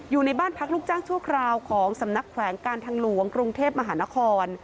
อยู่ในบ้านพักลูกจ้างชั่วคราวของสำนักแขวงการทางหลวงกรุงเทพมหานคร